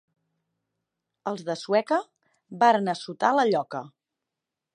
Els de Sueca varen assotar la lloca.